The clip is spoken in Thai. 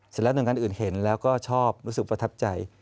หน่วยงานอื่นเห็นแล้วก็ชอบรู้สึกประทับใจ